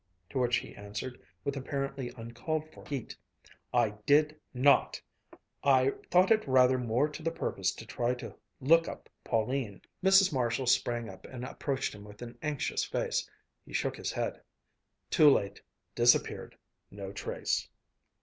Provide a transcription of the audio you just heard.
to which he answered, with apparently uncalled for heat, "I did not! I thought it rather more to the purpose to try to look up Pauline." Mrs. Marshall sprang up and approached him with an anxious face. He shook his head: "Too late. Disappeared. No trace."